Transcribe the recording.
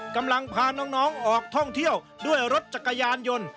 กำลังพาน้องออกท่องเที่ยวด้วยรถจักรยานยนต์